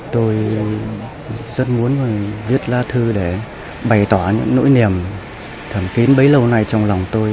tôi rất muốn viết lá thư để bày tỏa những nỗi niềm thầm kín bấy lâu nay trong lòng tôi